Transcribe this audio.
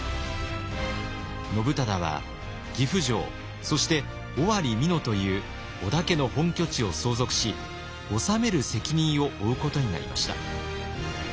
信忠は岐阜城そして尾張・美濃という織田家の本拠地を相続し治める責任を負うことになりました。